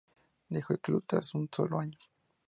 Dejó el club tras un solo año.